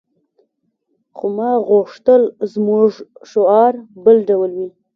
خو ما غوښتل زموږ شعار بل ډول وي